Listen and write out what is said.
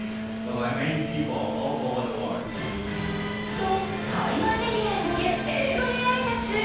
と、海外メディアへ向け、英語で挨拶。